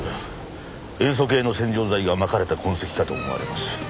塩素系の洗浄剤がまかれた痕跡かと思われます。